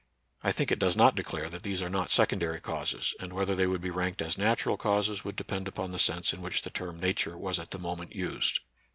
I think it does not declare that these are not secondary causes, and whether they would be ranked as natural causes would depend upon the sense in which the term Nature was at the moment used.